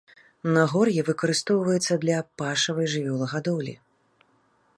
Нагор'е выкарыстоўваецца для пашавай жывёлагадоўлі.